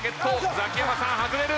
ザキヤマさん外れる。